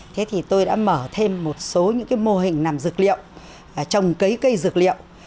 thế thì tôi đã mở thêm một số mô hình nằm dược liệu trồng cấy cây dược liệu